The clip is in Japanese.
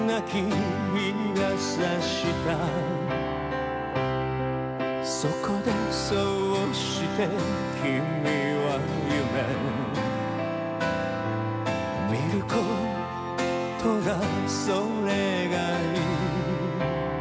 陽が射したそこでそうして君は夢見る事がそれがいい